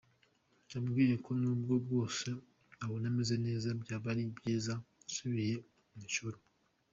Yambwiye ko nubwo bwose abona meze neza, byaba ari byiza nsubiye mu ishuli.